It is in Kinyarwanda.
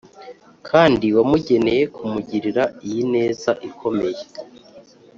kandi wamugeneye kumugirira iyi neza ikomeye